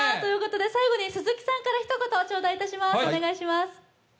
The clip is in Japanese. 最後に鈴木さんからひと言ちょうだいします。